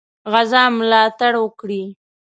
غزا ملاتړ وکړي.